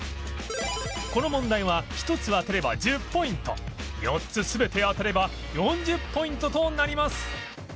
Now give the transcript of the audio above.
この問題は１つ当てれば１０ポイント４つ全て当てれば４０ポイントとなります